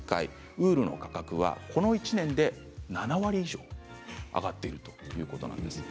ウールの価格はこの１年で７割以上、上がっているということです。